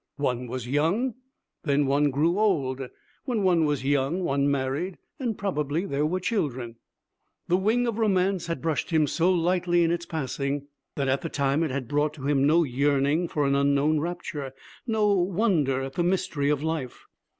One was young. Then one grew old. When one was young, one married, and probably there were children. The wing of romance had brushed him so lightly in its passing, that at the time it had brought to him no yearning for an unknown rapture, no wonder at the mystery of life.